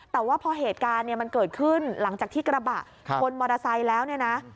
แต่ว่าพอเหตุการณ์เนี่ยมันเกิดขึ้นหลังจากที่กระบะชนมอเตอร์ไซค์แล้วเนี่ยนะ